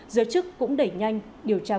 giới chức cũng đẩy nhanh điều tra vụ việc